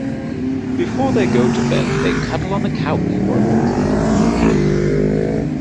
Before they go to bed, they cuddle on the couch for a bit.